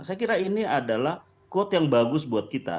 saya kira ini adalah quote yang bagus buat kita